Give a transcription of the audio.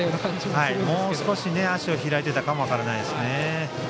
もう少し足を開いていたかも分からないですね。